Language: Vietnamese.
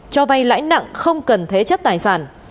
cho vay lãi nặng không cần thế chất tài sản